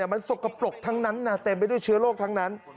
มันสกปรกทั้งนั้นนะเต็มไปด้วยเชื้อโรคทั้งนั้น